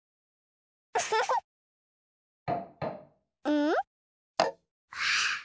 うん？